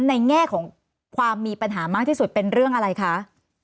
แง่ของความมีปัญหามากที่สุดเป็นเรื่องอะไรคะ